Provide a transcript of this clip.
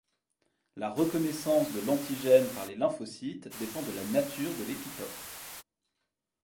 La reconnaissance de l'antigène par les lymphocytes dépend de la nature de l'épitope.